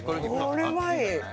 これはいい！